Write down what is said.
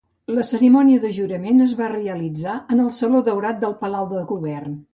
La cerimònia de jurament es va realitzar en el Saló Daurat del Palau de Govern.